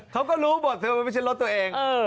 เขาก็รู้บทเธอมันไม่ใช่รถตัวเอง